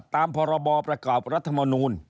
ตามพรบประกอบรัฐมนูล